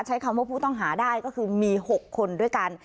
ใช้คำว่าผู้ต้องหาได้ก็คือมี๖คนด้วยกัน